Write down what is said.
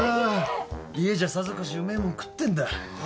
家じゃさぞかしうめえもん食ってんだ。